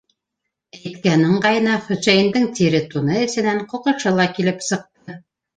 - Әйткән ыңғайына Хөсәйендең тире туны эсенән ҡуҡышы ла килеп сыҡты.